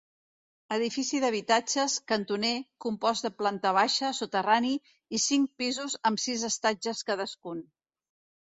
Edifici d'habitatges, cantoner, compost de planta baixa, soterrani i cinc pisos amb sis estatges cadascun.